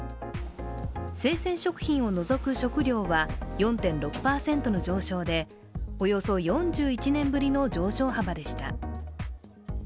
生鮮食品を除く食料は４．６％の上昇でおよそ４１年ぶりの上昇幅でした。